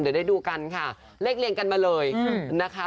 เดี๋ยวได้ดูกันค่ะเลขเรียงกันมาเลยนะคะ